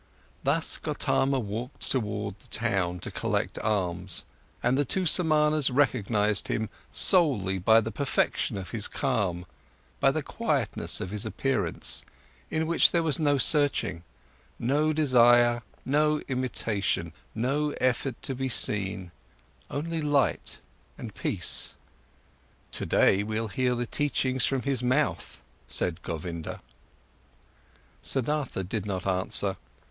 Thus Gotama walked towards the town, to collect alms, and the two Samanas recognised him solely by the perfection of his calm, by the quietness of his appearance, in which there was no searching, no desire, no imitation, no effort to be seen, only light and peace. "Today, we'll hear the teachings from his mouth," said Govinda. Siddhartha did not answer.